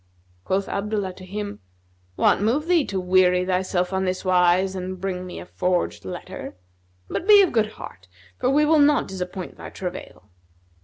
Quoth Abdullah to him, "What moved thee to weary thyself on this wise and bring me a forged letter? But be of good heart; for we will not disappoint thy travail."